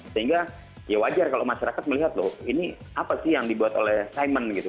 sehingga ya wajar kalau masyarakat melihat loh ini apa sih yang dibuat oleh simon gitu